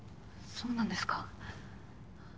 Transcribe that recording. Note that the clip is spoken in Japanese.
そうなんですか？